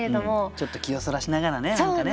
ちょっと気をそらしながらね何かね。